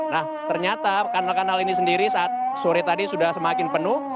nah ternyata kanal kanal ini sendiri saat sore tadi sudah semakin penuh